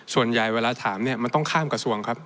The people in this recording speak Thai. ส่วนใหญ่เวลาถามเนี่ยมันต้องข้ามกระทรวงครับ